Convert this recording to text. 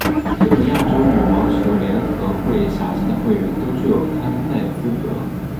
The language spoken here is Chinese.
所有亚洲羽毛球联合会辖下的会员都具有参赛资格。